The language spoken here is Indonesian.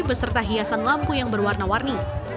beserta hiasan lampu yang berwarna warni